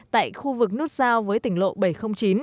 tại khu vực nút giao với tỉnh lộ bảy trăm linh chín